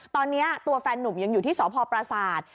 ตอนนี้ตัวแฟนนุ่มยังอยู่ที่สพประสาท